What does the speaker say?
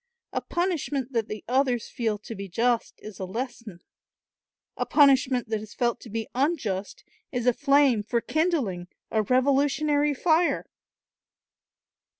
A punishment that the others feel to be just is a lesson; a punishment that is felt to be unjust is a flame for kindling a revolutionary fire.